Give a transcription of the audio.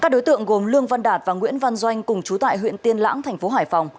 các đối tượng gồm lương văn đạt và nguyễn văn doanh cùng chú tại huyện tiên lãng thành phố hải phòng